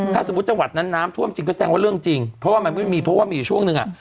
ถ้าสมมุติจังหวัดนั้นน้ำท่วมจริงก็แสดงว่าเรื่องจริงเพราะว่ามันไม่มีเพราะว่ามีอยู่ช่วงหนึ่งอ่ะ